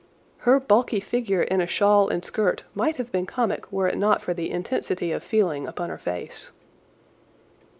Her bulky figure in a shawl and skirt might have been comic were it not for the intensity of feeling upon her face.